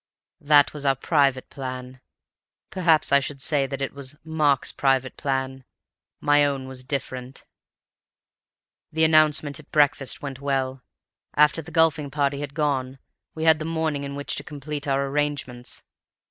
"That was our private plan. Perhaps I should say that it was Mark's private plan. My own was different. "The announcement at breakfast went well. After the golfing party had gone off, we had the morning in which to complete our arrangements.